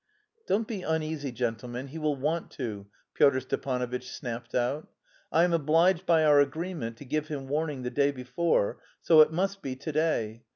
"Don't be uneasy, gentlemen, he will want to," Pyotr Stepanovitch snapped out. "I am obliged by our agreement to give him warning the day before, so it must be to day.